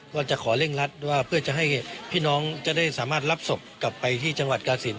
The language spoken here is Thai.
ก็จะขอเร่งรัดว่าเพื่อจะให้พี่น้องจะได้สามารถรับศพกลับไปที่จังหวัดกาศิลป